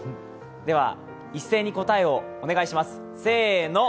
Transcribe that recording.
では一斉に答えをお願いします、せーの。